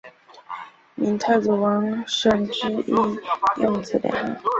闽太祖王审知亦用此年号。